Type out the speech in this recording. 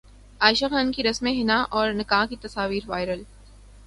عائشہ خان کی رسم حنا اور نکاح کی تصاویر وائرل